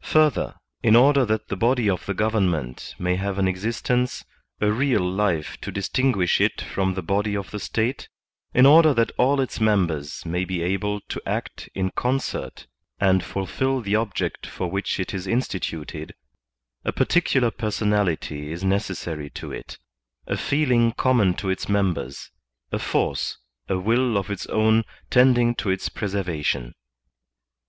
Further, in order that the body of the government may have an existence, a leal life to distinguish it from the body of the State ; in order that all its members may be able to act in concert and fulfill the object for which it is instituted, a particular personality is necessary to it, a feeling common to its members, a force, a will of its own tending to its preservation.